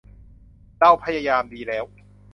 เราพยายามดีแล้ว